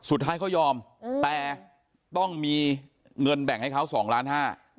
สุดท้ายเขายอมแต่ต้องมีเงินแบ่งให้เขาสองล้านห้า